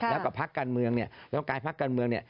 แล้วก็พักกันเมืองเราต้องการให้พักกันเมือง